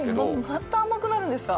また甘くなるんですか？